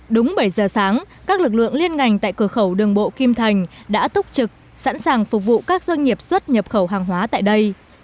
đúng bảy giờ sáng các lực lượng liên ngành tại cửa khẩu đường bộ kim thành đã túc trực sẵn sàng phục vụ các doanh nghiệp xuất nhập khẩu hàng hóa tại đây